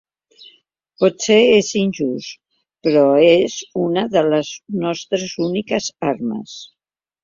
Potser és injust, però és una de les nostres úniques armes.